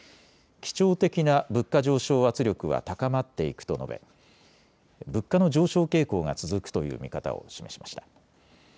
基調的な物価上昇圧力は高まっていくと述べ、物価の上昇傾向が続くという見方を示しました。